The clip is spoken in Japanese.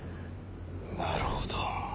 なるほど。